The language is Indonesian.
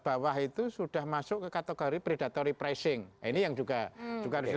bawah itu sudah masuk ke kategori predatory pricing ini yang juga harus dilakukan